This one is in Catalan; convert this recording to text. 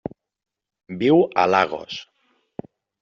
Viu a Lagos.